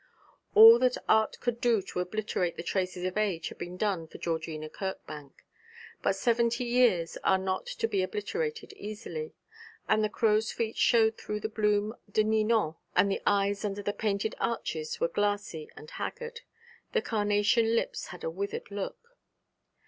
All that art could do to obliterate the traces of age had been done for Georgina Kirkbank. But seventy years are not to be obliterated easily, and the crow's feet showed through the bloom de Ninon, and the eyes under the painted arches were glassy and haggard, the carnation lips had a withered look.